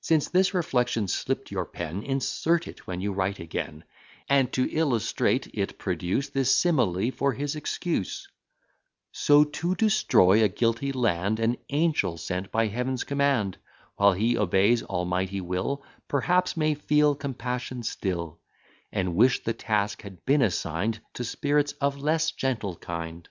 Since this reflection slipt your pen, Insert it when you write again; And, to illustrate it, produce This simile for his excuse: "So, to destroy a guilty land An angel sent by Heaven's command, While he obeys Almighty will, Perhaps may feel compassion still; And wish the task had been assign'd To spirits of less gentle kind."